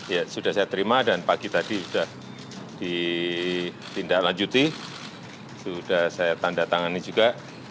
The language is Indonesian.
ya sudah saya terima dan pagi tadi sudah ditindaklanjuti sudah saya tanda tangani juga